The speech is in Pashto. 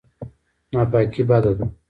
ناپاکي بده ده.